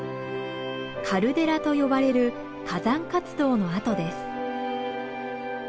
カルデラと呼ばれる火山活動の跡です。